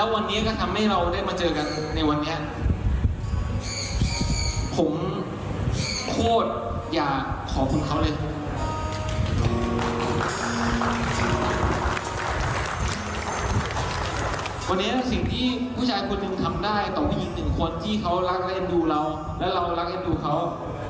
วันนี้สิ่งที่ผู้ชายคุณหนึ่งทำได้ต่อผู้หญิงหนึ่งคนที่เขารักและเอ็นดูเราและเรารักและเอ็นดูเขา